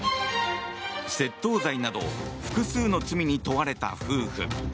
窃盗罪など複数の罪に問われた夫婦。